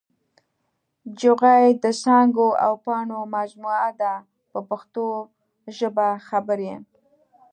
جوغې د څانګو او پاڼو مجموعه ده په پښتو ژبه خبرې.